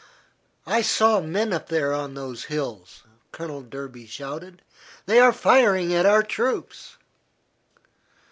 "I saw men up there on those hills," Colonel Derby shouted; "they are firing at our troops."